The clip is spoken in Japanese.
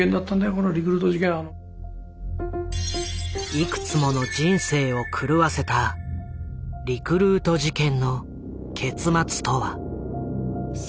いくつもの人生を狂わせたリクルート事件の結末とは？